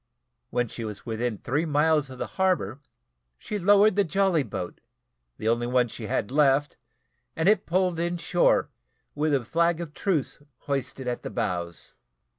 When she was within three miles of the harbour, she lowered the jolly boat, the only one she had left, and it pulled in shore with a flag of truce hoisted at the bows.